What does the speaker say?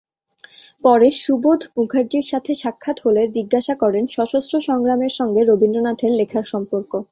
পরে সুবোধ মুখার্জীর সাথে সাক্ষাৎ হলে জিজ্ঞাসা করেন সশস্ত্র সংগ্রামের সঙ্গে রবীন্দ্রনাথের লেখার সম্পর্ক।